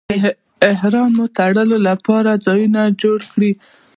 د احرام تړلو لپاره ځایونه جوړ کړي.